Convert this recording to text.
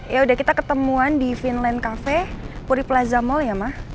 ya udah kita ketemuan di finland cafe puri plaza mall ya mah